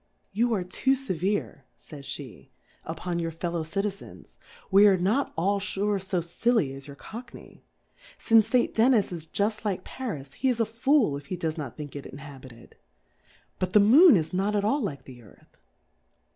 You are too fevere^/^n'j'/^e'jUpon your Fellow Citizens ; we are not all fure fo filly as your Cockney ; fince St. Dennis is juft like Faris^ , he is a Fool if he does not think it inhabited : But the Moon is not at all like the Earth.